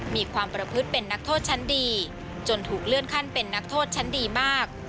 มีความประพฤติเป็นนักโทษชั้นดีจนถูกเลื่อนขั้นเป็นนักโทษชั้นดีมาก